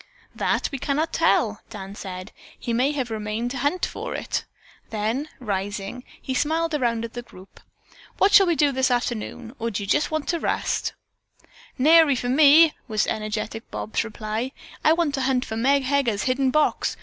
"That we cannot tell," Dan said. "He may have remained to hunt for it." Then, rising, he smiled around at the group. "What shall we do this afternoon, or do you want to just rest?" "Nary for me!" was energetic Bob's reply. "I want to hunt for Meg Heger's hidden box.